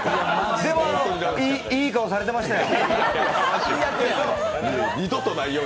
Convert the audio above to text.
でも、いい顔されてましたよ。